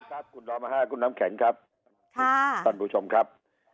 สวัสดีครับคุณรามหาคุณน้ำแข็งครับค่ะสวัสดีผู้ชมครับ